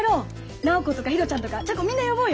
直子とか宏ちゃんとかチャコみんな呼ぼうよ！